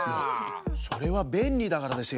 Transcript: それはべんりだからですよ。